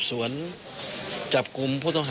ส่วนจับกลุ่มพวก